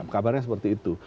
kabarnya seperti itu